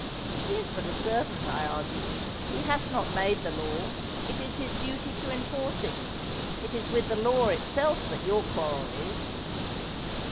'He is but a servant, I argued. 'He hath not made the law. It is his duty to enforce it. It is with the law itself that your quarrel is.